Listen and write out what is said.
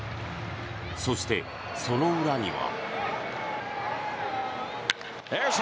そして、その裏には。